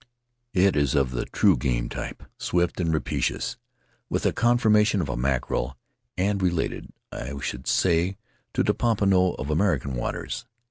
It is of the true game type — swift and rapa cious — with the conformation of a mackerel, and re lated, I should say, to the pompano of American waters.